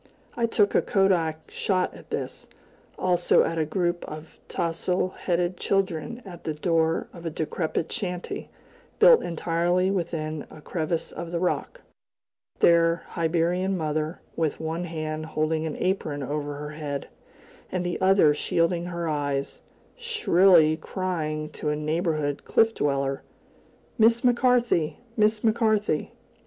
I took a kodak shot at this, also at a group of tousle headed children at the door of a decrepit shanty built entirely within a crevice of the rock their Hibernian mother, with one hand holding an apron over her head, and the other shielding her eyes, shrilly crying to a neighboring cliff dweller: "Miss McCarthy! Miss McCarthy!